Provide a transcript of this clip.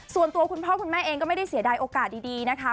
คุณพ่อคุณแม่เองก็ไม่ได้เสียดายโอกาสดีนะคะ